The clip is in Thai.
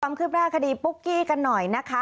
ความคืบหน้าคดีปุ๊กกี้กันหน่อยนะคะ